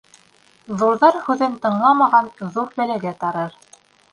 Ҙурҙар һүҙен тыңламаған ҙур бәләгә тарыр.